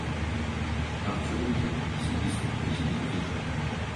Акцёра вітаў асабіста прэзідэнт дзяржавы.